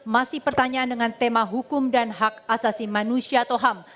masih pertanyaan dengan tema hukum dan hak asasi manusia atau ham